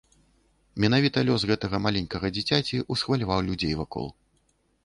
Менавіта лёс гэтага маленькага дзіцяці ўсхваляваў людзей вакол.